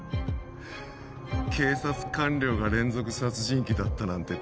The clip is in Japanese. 警察官僚が連続殺人鬼だったなんて